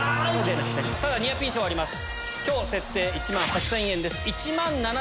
ただニアピン賞あります。